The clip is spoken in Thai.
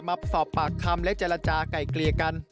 มาสอบปากคำและเจรจาก่ายเกลี่ยกัน